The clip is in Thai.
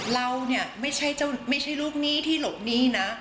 เราเนี่ยไม่ใช่ลูกหนี้ที่หลบหนี้นะ